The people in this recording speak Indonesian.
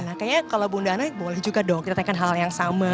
nah kayaknya kalau bunda ana boleh juga dong kita tanyakan hal yang sama